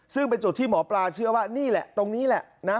ซึ่งเป็นจุดที่หมอปลาเชื่อว่านี่แหละตรงนี้แหละนะ